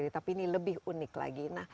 tapi ini lebih unik lagi